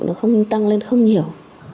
nó không tăng lên không nhiều